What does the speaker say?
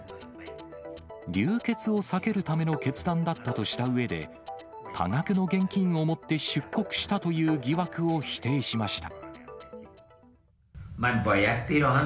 流血を避けるための決断だったとしたうえで、多額の現金を持って出国したという疑惑を否定しました。